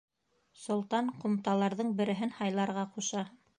Солтан ҡумталарҙың береһен һайларға ҡуша.